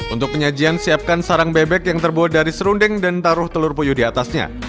untuk penyajian siapkan sarang bebek yang terbuat dari serunding dan taruh telur puyuh diatasnya